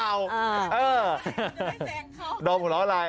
เดิมให้แสงเดอะผู้ล้อไลน์